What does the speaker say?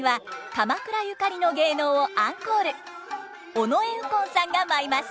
尾上右近さんが舞います。